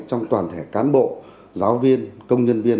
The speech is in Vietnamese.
trong toàn thể cán bộ giáo viên công nhân viên